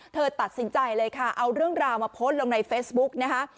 เธอตัดสินใจเลยค่ะเอาเรื่องราวมาโพสต์ลงในเฟซบุ๊กนะคะ